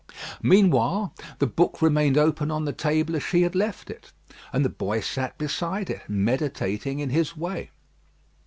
Meanwhile, the book remained open on the table as she had left it, and the boy sat beside it, meditating in his way.